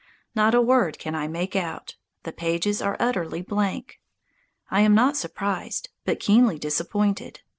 Not a word can I make out, the pages are utterly blank. I am not surprised, but keenly disappointed.